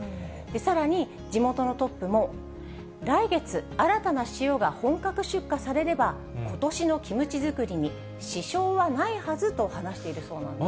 さらに地元のトップも来月、新たな塩が本格出荷されれば、ことしのキムチ作りに支障はないはずと話しているそうなんですね。